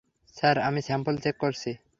Sir, আমি sample check করেছি।